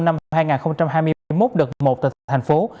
năm hai nghìn hai mươi một đợt một tại tp hcm